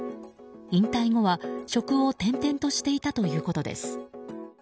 引退後は職を転々としていたということです。